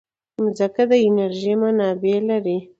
مځکه د انرژۍ منابع لري.